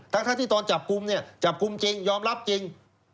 ทั้งที่ตอนจับกลุ่มเนี่ยจับกลุ่มจริงยอมรับจริง